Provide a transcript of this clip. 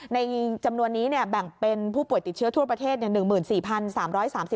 ในจำนวนนี้แบ่งเป็นผู้ป่วยติดเชื้อทั่วประเทศ๑๔๓๓๐